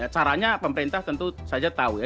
caranya pemerintah tentu saja tahu ya